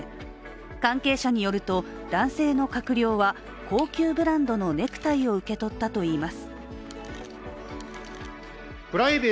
関係者によると、男性の閣僚は高級ブランドのネクタイを受け取ったといいます。